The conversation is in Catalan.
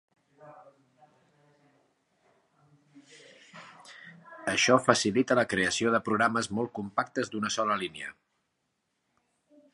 Això facilita la creació de programes molt compactes d'una sola línia.